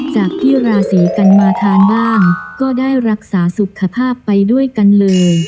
จากที่ราศีกันมาทานบ้างก็ได้รักษาสุขภาพไปด้วยกันเลย